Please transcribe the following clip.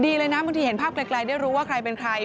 ดีเลยนะบางทีเห็นภาพไกลได้รู้ว่าใครเป็นใคร